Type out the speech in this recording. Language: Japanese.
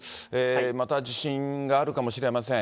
また地震があるかもしれません。